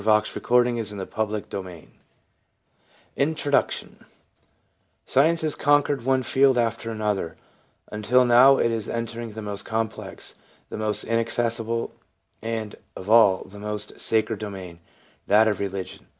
408 The Psychology of Religion CHAPTER I INTRODUCTION Science has conquered one field after another, until now it is entering the most complex, the most in accessible, and, of all, the most sacred domain — that of religion.